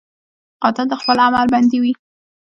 قاتل د خپل عمل بندي وي